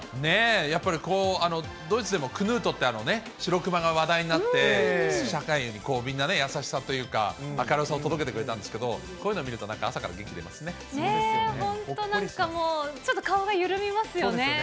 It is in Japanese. やっぱりこう、ドイツでもクヌートっていうシロクマが話題になって、社会にこう、優しさというか、明るさを届けてくれたんですけど、こういうのを見ると、なんか朝か本当、なんかもう、ちょっとそうですよね。